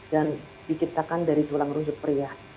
dan diciptakan dari tulang rujuk pria